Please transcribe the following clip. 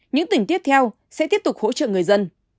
những tỉnh tiếp theo sẽ tiếp tục hỗ trợ người dân